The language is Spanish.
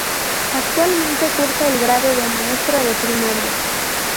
Actualmente cursa el Grado de Maestra de Primaria.